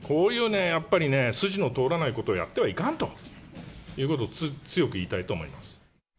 やっぱりね、筋の通らないことをやってはいかんということを強く言いたいと思います。